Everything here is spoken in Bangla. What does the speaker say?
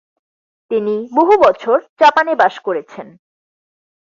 তিনি বহু বছর জাপানে বাস করেছেন।